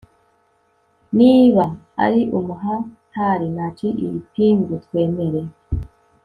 niba ari umuhatari nace ipingu twemere>